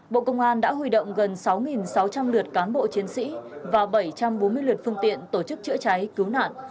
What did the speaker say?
bộ công an đã huy động gần sáu sáu trăm linh lượt cán bộ chiến sĩ và bảy trăm bốn mươi lượt phương tiện tổ chức chữa cháy cứu nạn